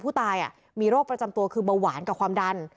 ผู้ตายมีโรคประจำตัวคือเบาหวานกับความดัน